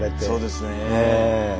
そうですね。